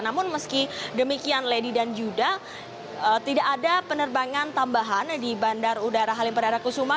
namun meski demikian lady dan yuda tidak ada penerbangan tambahan di bandar udara halim perdana kusuma